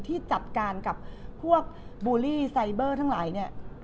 ที่จัดการกับพวกบูลลี่ไซเบอร์ทั้งหลายเนี่ย